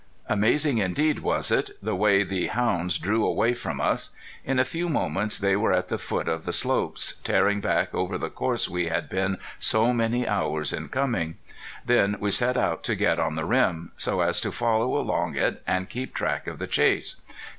Amazing indeed was it the way the hounds drew away from us. In a few moments they were at the foot of the slopes, tearing back over the course we had been so many hours in coming. Then we set out to get on the rim, so as to follow along it, and keep track of the chase.